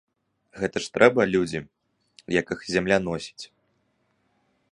Гэта ж трэба, людзі, як іх зямля носіць?